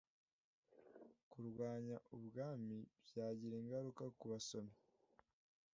kurwanya ubwami byagira ingaruka ku basomyi